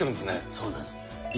そうなんです。